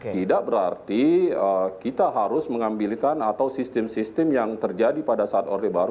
tidak berarti kita harus mengambilkan atau sistem sistem yang terjadi pada saat orde baru